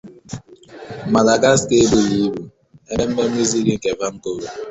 Madagascar Ebughibu Ememme Music nke Vancouver